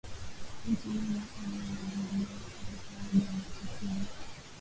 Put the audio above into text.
nchini humo na amezuiliwa kwa zaidi ya miaka kumi